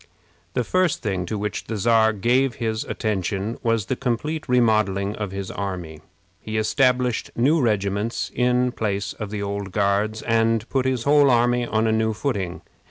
The first thing to which the Czar gave his attention was the complete remodeling of his army. He established new regiments in place of the old Guards, and put his whole army on a new footing.